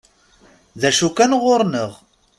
D acu kan ɣur-nneɣ.